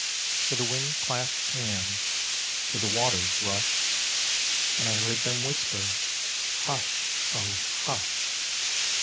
For the Wind clasped hands with the Water's rush, And I heard them whisper, _Hush, oh, hush!